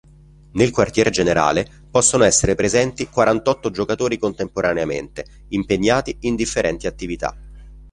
Nel quartier generale possono essere presenti quarantotto giocatori contemporaneamente, impegnati in differenti attività.